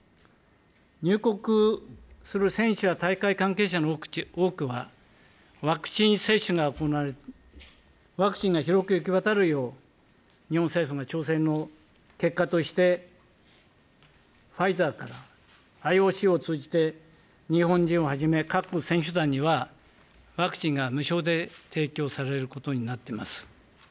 入国する選手や大会関係者の多くは、ワクチン接種が行われ、ワクチンが広く行き渡るよう、日本政府が調整の結果として、ファイザーから、ＩＯＣを通じて、日本人をはじめ各国選手団には、ワクチンが無償で提供されることになってます。